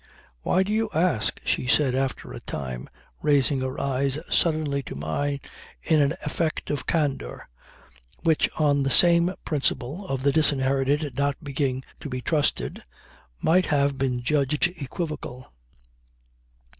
"Why do you ask?" she said after a time, raising her eyes suddenly to mine in an effect of candour which on the same principle (of the disinherited not being to be trusted) might have been judged equivocal.